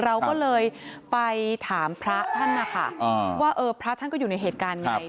เราก็เลยไปถามพระท่านนะคะว่าเออพระท่านก็อยู่ในเหตุการณ์ไง